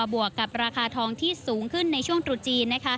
บวกกับราคาทองที่สูงขึ้นในช่วงตรุษจีน